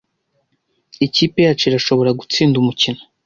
Ikipe yacu irashobora gutsinda umukino.